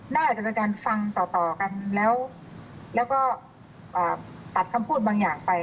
น่าจะเป็นการฟังต่อกันแล้วก็ตัดคำพูดบางอย่างไป